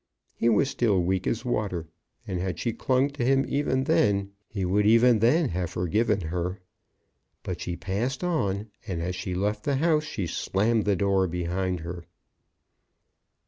He was still weak as water, and had she clung to him even then, he would even then have forgiven her! But she passed on, and, as she left the house, she slammed the door behind her.